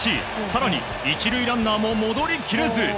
更に、１塁ランナーも戻り切れず。